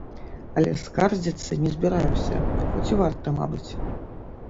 Але скардзіцца не збіраюся, хоць і варта, мабыць.